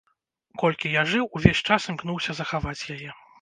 Колькі я жыў, увесь час імкнуўся захаваць яе.